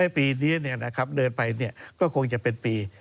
ปีนี้เดินไปก็คงจะเป็นปี